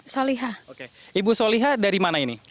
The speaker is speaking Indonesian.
soliha oke ibu soliha dari mana ini